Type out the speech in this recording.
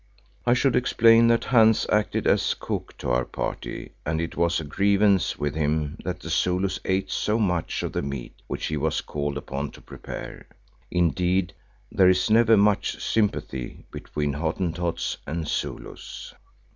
I should explain that Hans acted as cook to our party and it was a grievance with him that the Zulus ate so much of the meat which he was called upon to prepare. Indeed, there is never much sympathy between Hottentots and Zulus.